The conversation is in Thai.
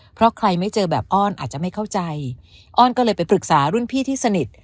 เพราะใครไม่เจอแบบอ้อนอาจจะไม่เข้าใจอ้อนก็เลยไปปรึกษารุ่นพี่ที่สนิท